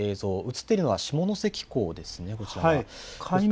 写っているのは下関港ですね、こちらは。